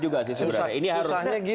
bukan sama sekali ya